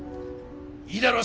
いいだろう！